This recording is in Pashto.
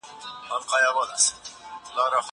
دا قلم له هغه ښه دی!؟